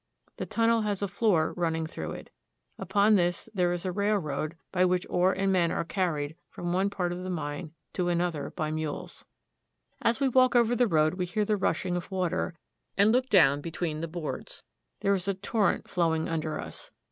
The tunnel has a floor running through it. Upon this there is a rail road by which ore and men are carried from one part of the mine to another by mules. 252 THE ROCKY MOUNTAIN REGION As we walk over the road we hear the rushing of water, and look down between the boards. There is a torrent flowing under us.